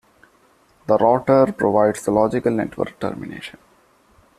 The router provides the logical network termination.